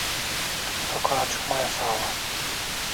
Sokağa çıkma yasağı var.